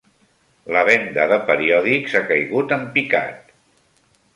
La venda de periòdics ha caigut en picat.